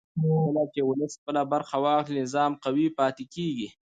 کله چې ولس خپله برخه واخلي نظام قوي پاتې کېږي